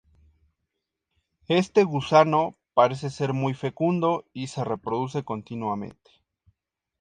Este gusano parece ser muy fecundo y se reproduce continuamente.